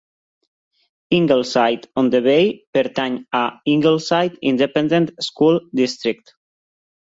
Ingleside on the Bay pertany a Ingleside Independent School District.